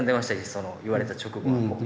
その言われた直後はもう。